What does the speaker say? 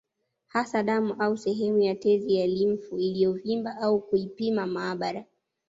Hasa damu au sehemu ya tezi ya limfu iliyovimba na kuipima maabara